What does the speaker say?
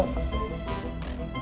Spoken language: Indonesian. gak ada omongan yang